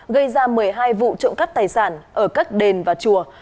gây ra một mươi hai vụ trộm cắp tài sản ở các đền và chùa